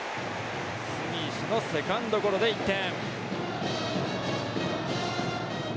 住石のセカンドゴロで１点。